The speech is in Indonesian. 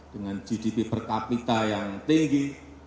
dengan gdp per kapita yang tinggi